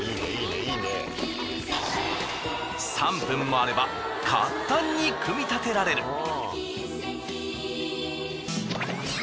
３分もあれば簡単に組み立てられる。